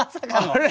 あれ？